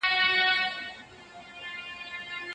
سياستپوهنه نړيوال سياسي بحرانونه تر څېړني لاندي نيسي.